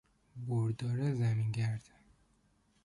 بردار زمینگرد